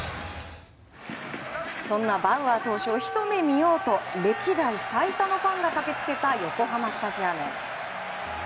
そんなバウアー投手をひと目見ようと歴代最多のファンが駆け付けた横浜スタジアム。